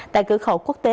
tại cửa khẩu quốc tế